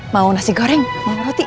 mau nasi goreng mau roti